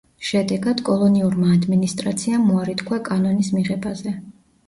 შედეგად კოლონიურმა ადმინისტრაციამ უარი თქვა კანონის მიღებაზე.